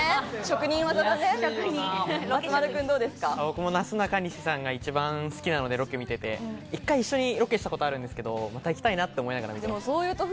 僕も、なすなかにしさんが一番好きなのでロケ見てて、１回ロケしたことあるんですけど、また行きたいなと思いました。